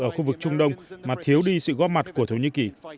ở khu vực trung đông mà thiếu đi sự góp mặt của thổ nhĩ kỳ